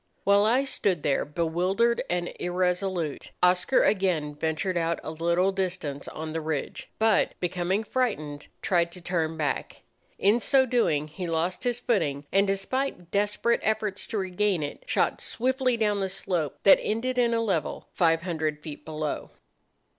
While I stood there bewildered and irresolute, Oscar again ventured out a little distance on the ridge, but, becoming frightened, tried to turn back. In so doing he lost his footing, and, despite desperate efforts to regain it, shot swiftly down the slope that ended in a level five hundred feet below.